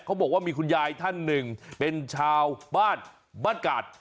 เขาบอกว่ามีคุณยายท่านหนึ่งเป็นชาวบ้านบ้านกาด